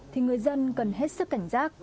thì người dân cần hết sức cảnh giác